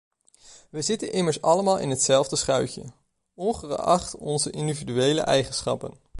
We zitten immers allemaal in hetzelfde schuitje, ongeacht onze individuele eigenschappen.